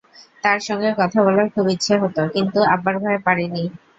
তার সঙ্গে কথা বলার খুব ইচ্ছে হতো, কিন্তু আব্বার ভয়ে পারিনি।